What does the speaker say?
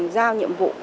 giao nhiệm vụ